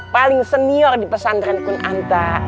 paling senior di pesantren kunanta